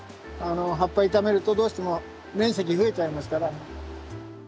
葉っぱ傷めるとどうしても面積増えちゃいますから。